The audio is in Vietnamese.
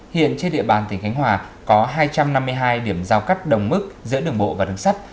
hiện trên địa bàn tp cnh có hai trăm năm mươi hai điểm giao cắt đồng mức giữa đường bộ và đường sắt